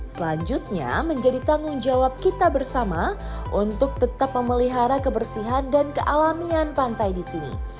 selanjutnya menjadi tanggung jawab kita bersama untuk tetap memelihara kebersihan dan kealamian pantai di sini